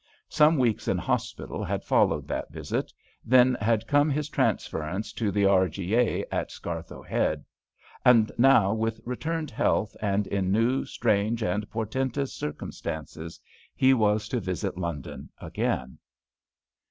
Some weeks in hospital had followed that visit, then had come his transference to the R.G.A. at Scarthoe Head. And now, with returned health and in new, strange and portentous circumstances, he was to visit London again.